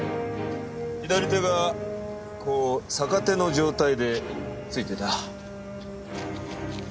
左手がこう逆手の状態でついてた。